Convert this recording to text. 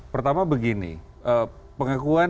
pertama begini pengakuan